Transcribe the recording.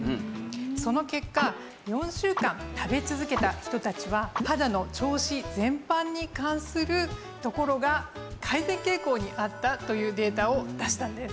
その結果４週間食べ続けた人たちは肌の調子全般に関するところが改善傾向にあったというデータを出したんです。